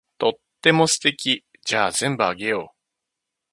とっても素敵。じゃあ全部あげよう。